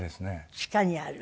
地下にある？